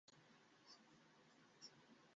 এটাই সেই কবিতাটা!